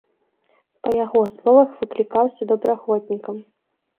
Па яго словах, выклікаўся добраахвотнікам.